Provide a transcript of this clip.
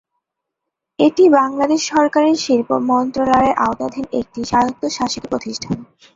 এটি বাংলাদেশ সরকারের শিল্প মন্ত্রণালয়ের আওতাধীন একটি স্বায়ত্তশাসিত প্রতিষ্ঠান।